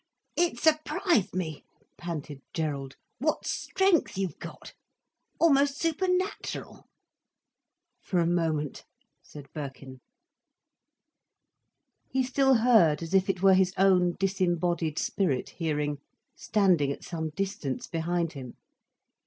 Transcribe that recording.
"It surprised me," panted Gerald, "what strength you've got. Almost supernatural." "For a moment," said Birkin. He still heard as if it were his own disembodied spirit hearing, standing at some distance behind him.